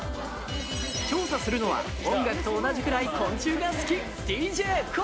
調査するのは音楽と同じくらい昆虫が好きＤＪＫＯＯ！